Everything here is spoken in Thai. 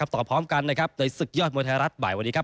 ต่อพร้อมกันในศึกยอดมทรัฐบ่ายวันนี้ครับ